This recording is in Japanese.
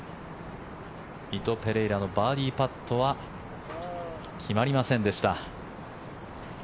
ミト・ペレイラのバーディーパットは決まりませんでした。